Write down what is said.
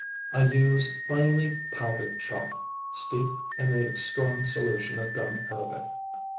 I use finely powdered chalk, steeped in a strong solution of gum arabic.